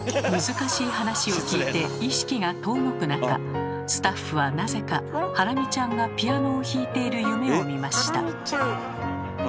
難しい話を聞いて意識が遠のく中スタッフはなぜかハラミちゃんがピアノを弾いている夢を見ました。